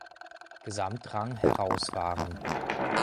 Gesamtrang herausfahren.